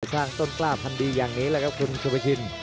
สร้างต้นกล้าพันดีอย่างนี้แหละครับคุณสุภาชิน